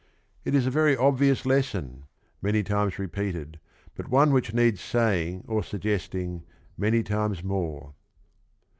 It is a very obvious lesson, many times repeated, but one which needs saying or suggesting many times more.